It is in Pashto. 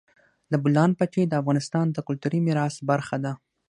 د بولان پټي د افغانستان د کلتوري میراث برخه ده.